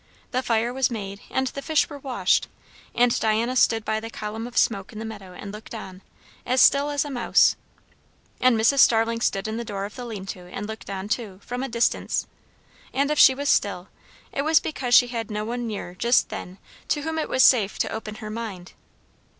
The fire was made, and the fish were washed; and Diana stood by the column of smoke in the meadow and looked on, as still as a mouse. And Mrs. Starling stood in the door of the lean to and looked on too, from a distance; and if she was still, it was because she had no one near just then to whom it was safe to open her mind.